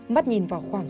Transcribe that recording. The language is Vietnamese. mắt nhìn vào khoảng